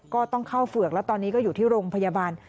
ก็ต้องเข้าเฝือกแล้วตอนนี้ก็อยู่ที่โรงพยาบาล